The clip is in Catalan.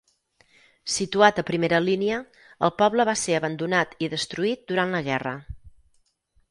Situat a primera línia, el poble va ser abandonat i destruït durant la guerra.